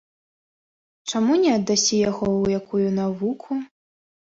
Чаму не аддасі яго ў якую навуку?